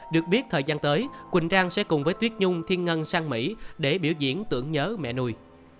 được biết thời gian tới quỳnh trang sẽ cùng với tuyết nhung thiên ngân sang mỹ để biểu diễn tưởng nhớ mẹ nuôi